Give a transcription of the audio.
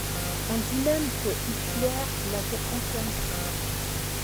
On dit même que Hitler l'avait entendue.